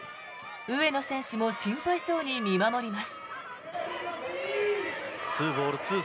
上野選手も心配そうに見守ります。